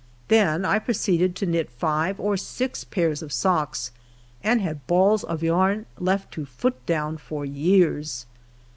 Then I proceeded to knit five or six pairs of socks, and had balls of yarn left to '' foot down " for years